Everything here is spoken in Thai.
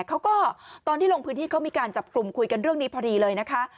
เขาก็ตอนที่ลงพื้นที่เขามีการจับกลุ่มคุยกันเรื่องนี้พอดีเลยนะคะ